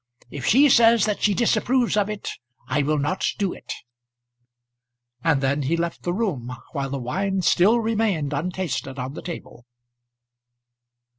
"If she says that she disapproves of it, I will not do it." And then he left the room, while the wine still remained untasted on the table.